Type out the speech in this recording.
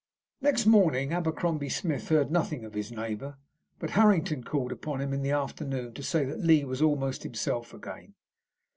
Next morning Abercrombie Smith heard nothing of his neighbour, but Harrington called upon him in the afternoon to say that Lee was almost himself again.